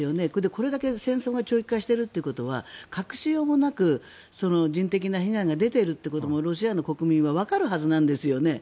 これだけ戦争が長期化しているということは隠しようもなく人的な被害が出ているということもロシアの国民はわかるはずなんですよね。